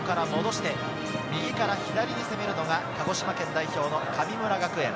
右から左に攻めるのが鹿児島県代表・神村学園。